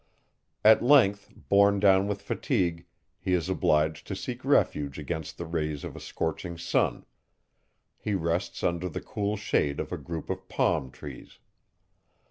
At length, borne down with fatigue, he is obliged to seek refuge against the rays of a scorching sun; he rests under the cool shade of a group of palm trees.